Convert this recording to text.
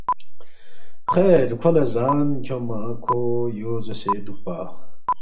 خیر کھو لہ زان کھیونگما کھو یو زوسے دُوکپا